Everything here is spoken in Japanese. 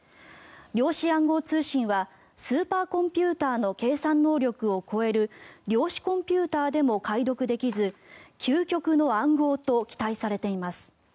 量子暗号通信はスーパーコンピューターの計算能力を超える量子コンピューターでも解読できず究極の暗号と期待されています。